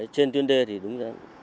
trên tuyến đê thì đúng rồi